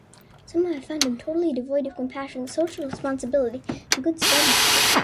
Somehow I found him totally devoid of compassion, social responsibility, and good study discipline.